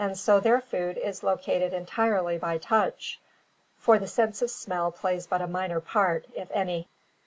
so their food is located entirely by touch, for the sense of smell plays but a minor part, if any.